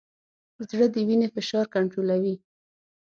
زړه د وینې فشار کنټرولوي.